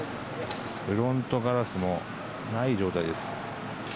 フロントガラスもない状態です。